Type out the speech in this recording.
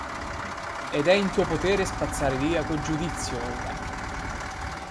Ed è in tuo potere spazzare via quel giudizio ora.